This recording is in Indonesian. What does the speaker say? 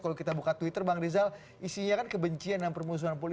kalau kita buka twitter bang rizal isinya kan kebencian yang permusuh